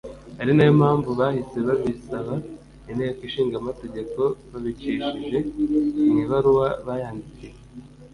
ari na yo mpamvu bahise babisaba Inteko Ishinga Amategeko babicishije mu ibaruwa bayandikiye